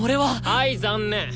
はい残念。